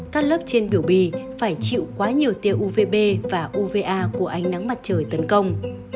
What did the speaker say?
các lớp trên biểu bì phải chịu quá nhiều tiêu uvb và uva của ánh nắng mặt trời tấn công